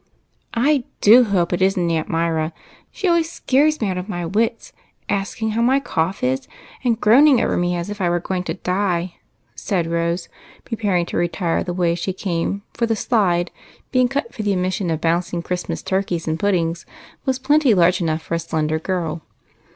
" I do hope it is n't Aunt Myra ; she always scares me out of my wits asking how my cough is, and groan ing over me as if I was going to die," said Rose, pre paring to retire the way she came, for the slide, being cut for the admission of bouncing Christmas turkeys and puddings, was plenty large enough for a slender girl.